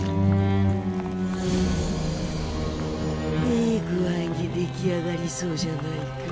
いい具合に出来上がりそうじゃないか。